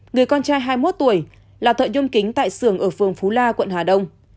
người con trai hai mươi một tuổi là thợ nhôm kính tại xưởng ở phường phú la quận hà đông